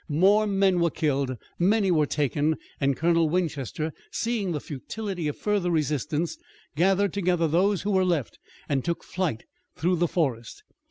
More men were killed, many were taken, and Colonel Winchester, seeing the futility of further resistance, gathered together those who were left and took flight through the forest.